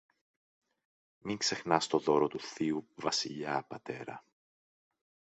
Μην ξεχνάς το δώρο του θείου Βασιλιά, πατέρα